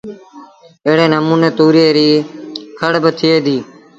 ايڙي نموٚني تُوريئي ريٚ کڙ با ٿئي ديٚ